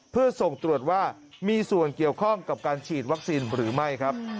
เพื่อส่งตรวจว่ามีส่วนเกี่ยวข้องกับการฉีดวัคซีนหรือไม่ครับ